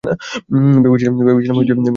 ভেবেছিলাম তুমি চলে গেছো।